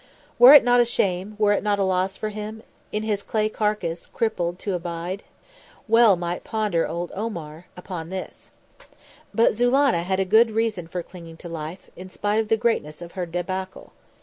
"Were't not a shame, were't not a loss for him In this clay carcase, crippled, to abide?" Well might old Omar ponder upon this. But Zulannah had a good reason for clinging to life, in spite of the greatness of her debacle.